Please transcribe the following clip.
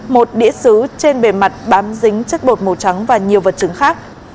một đĩa xứ trên bề mặt bám dính chất bột màu trắng và nhiều vật chứng khác